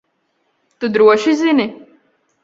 Tu droši zini?